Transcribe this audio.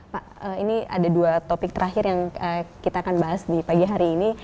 pak ini ada dua topik terakhir yang kita akan bahas di pagi hari ini